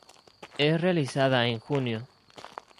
Es realizada en junio.